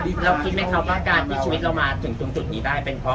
เราคิดไหมครับว่าการที่ชีวิตเรามาถึงตรงจุดนี้ได้เป็นเพราะ